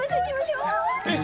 えっ？